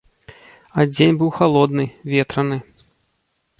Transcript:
А дзень быў халодны, ветраны.